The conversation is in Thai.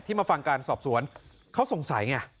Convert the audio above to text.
มาฟังการสอบสวนเขาสงสัยไง